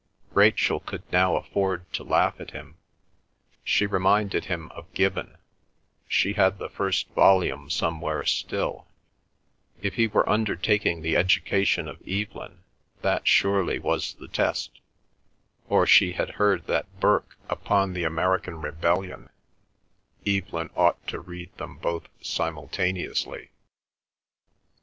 Rachel could now afford to laugh at him. She reminded him of Gibbon; she had the first volume somewhere still; if he were undertaking the education of Evelyn, that surely was the test; or she had heard that Burke, upon the American Rebellion—Evelyn ought to read them both simultaneously.